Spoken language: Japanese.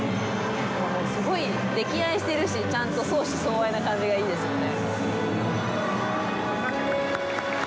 すごい溺愛してるしちゃんと相思相愛な感じがいいですね。